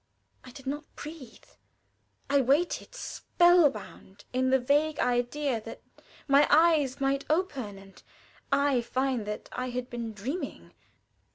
I did not breathe. I waited, spell bound, in the vague idea that my eyes might open and I find that I had been dreaming.